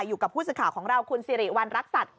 อยู่กับผู้สื่อข่าวของเราคุณสิริวัณรักษัตริย